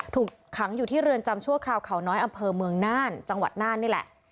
ถูกขังอยู่ที่เรือนจำชั่วคราวเขาน้อยอำเภอเมืองน่านจังหวัดน่านนี่แหละ